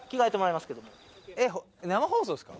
生放送です